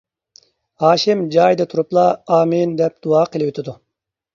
ھاشىم جايىدا تۇرۇپلا ئامىن دەپ دۇئا قىلىۋېتىدۇ.